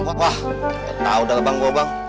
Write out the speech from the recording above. wah gak tau dah bang